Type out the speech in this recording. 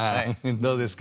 どうですか？